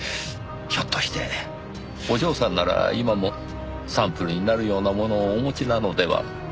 ひょっとしてお嬢さんなら今もサンプルになるようなものをお持ちなのでは？